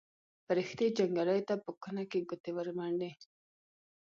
فرښتې جنګیالیو ته په کونه کې ګوتې ورمنډي.